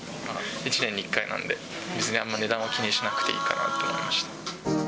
１年に１回なので、あんまり値段は気にしなくていいかなと思いました。